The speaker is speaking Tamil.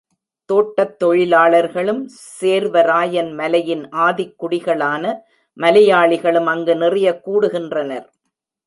தோட்டத் தொழிலாளர்களும், சேர்வராயன் மலையின் ஆதிக்குடிகளான மலையாளிகளும் அங்கு நிறையக் கூடுகின்றனர்.